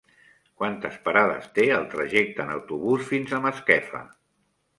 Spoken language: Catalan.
Quantes parades té el trajecte en autobús fins a Masquefa?